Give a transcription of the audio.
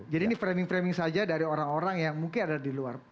jadi ini framing framing saja dari orang orang yang mungkin ada di luar